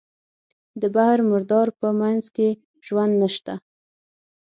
د بحر مردار په منځ کې ژوند نشته.